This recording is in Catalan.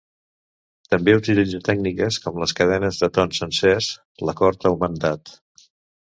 També utilitza tècniques com les cadenes de tons sencers, l'acord augmentat.